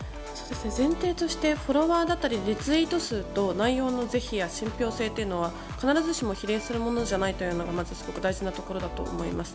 前提としてフォロワーだったりリツイート数と内容の是非や信ぴょう性というのは必ずしも比例するものではないというのが大事なところだと思います。